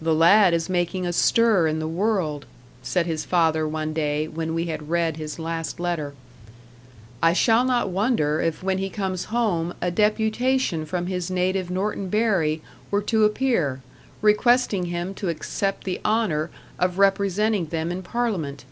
"The lad is making a stir in the world," said his father one day, when we had read his last letter. "I shall not wonder if when he comes home a deputation from his native Norton Bury were to appear, requesting him to accept the honour of representing them in Parliament.